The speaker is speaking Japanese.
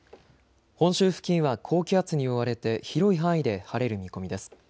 本州付近は高気圧に覆われて広い範囲で晴れる見込みです。